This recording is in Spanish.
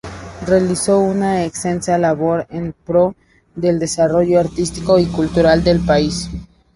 Realizó una extensa labor en pro del desarrollo artístico y cultural del país.